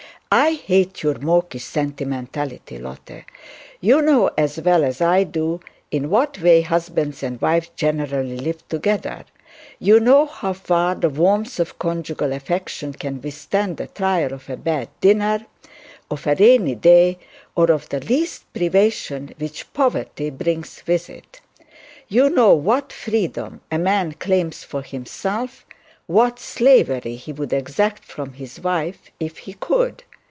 I hate your mawkish sentimentality, Lotte. You know as well as I do in what way husbands and wives generally live together; you know how far the warmth of conjugal affection can withstand the trial of a bad dinner, of a rainy day, or of the least privation which poverty brings with it; you know what freedom a man claims for himself, what slavery he would exact from his wife if he could!